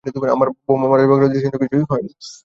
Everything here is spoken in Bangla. আমার বৌমা মারা যাবার কারণে দৃষ্টান্তস্থানীয় কিছুই হয়নি।